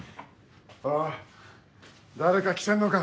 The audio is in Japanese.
あっ誰か来てんのか。